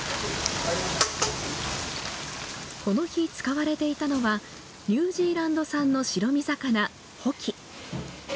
この日、使われていたのはニュージーランド産の白身魚、ほき。